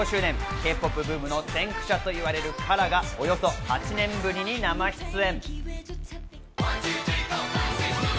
Ｋ−ＰＯＰブームの先駆者と言われるＫＡＲＡがおよそ８年ぶりに生出演。